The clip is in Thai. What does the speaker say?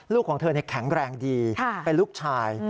ของเธอแข็งแรงดีเป็นลูกชาย